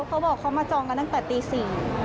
เขาบอกเขามาจองกันตั้งแต่ตี๔